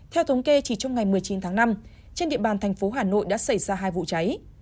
theo thống kê chỉ trong ngày một mươi chín tháng năm trên địa bàn thành phố hà nội đã xảy ra hai vụ cháy